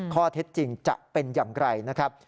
ข้อเท็จจริงจะเป็นอย่างไรนะครับ